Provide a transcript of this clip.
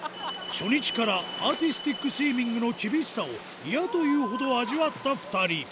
初日からアーティスティックスイミングの厳しさを、嫌というほど味わった２人。